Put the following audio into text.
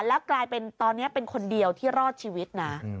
แล้วกลายเป็นตอนนี้เป็นคนเดียวที่รอดชีวิตนะ